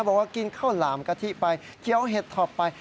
บอกว่ากินข้าวหลามกะทิไปเคี้ยวเห็ดถอบไป